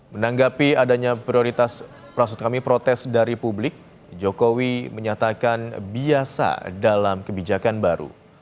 menanggapi adanya prioritas maksud kami protes dari publik jokowi menyatakan biasa dalam kebijakan baru